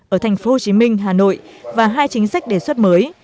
ở thành phố hồ chí minh hà nội và hai chính sách đề xuất mới